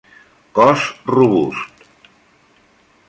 Cos robust.